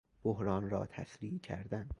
بحران را تسریع کردن